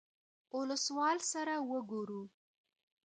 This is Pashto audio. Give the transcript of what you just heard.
اولسوال سره وګورو.